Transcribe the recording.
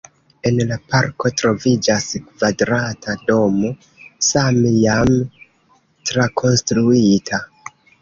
En la parko troviĝas kvadrata domo, same jam trakonstruita.